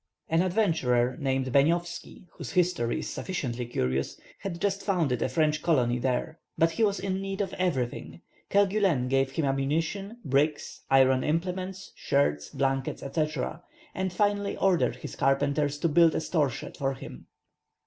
An adventurer named Beniowski, whose history is sufficiently curious, had just founded a French colony there. But he was in need of everything. Kerguelen gave him ammunition, bricks, iron implements, shirts, blankets, &c., and finally ordered his carpenters to build a store shed for him.